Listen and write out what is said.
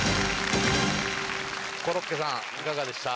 コロッケさんいかがでした？